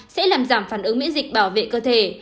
sẽ làm giảm phản ứng miễn dịch bảo vệ cơ thể